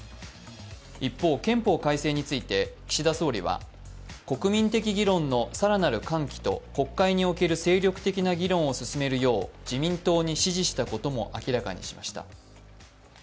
一方、憲法改正について岸田総理は国民的議論の更なる喚起と国会における精力的な議論を進めるよう自民党に指示したことも明らかにしました。